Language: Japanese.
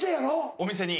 お店に。